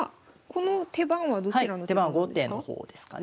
この手番はどちらの手番なんですか？